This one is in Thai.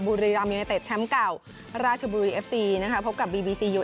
บุรีรัมยูเนเต็ดแชมป์เก่าราชบุรีเอฟซีนะคะพบกับบีบีซียู